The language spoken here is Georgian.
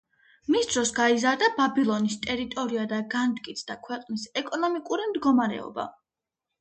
მის დროს გაიზარდა ბაბილონის ტერიტორია და განმტკიცდა ქვეყნის ეკონომიკური მდგომარეობა.